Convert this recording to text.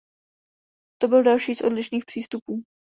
To byl další z odlišných přístupů.